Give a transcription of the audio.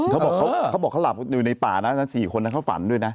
เขาบอกเขาบอกเขาหลับอยู่ในป่านั้น๔คนนั้นเขาฝันด้วยนะ